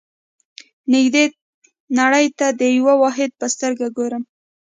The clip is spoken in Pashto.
نړۍ ته د یوه واحد په سترګه ګورم.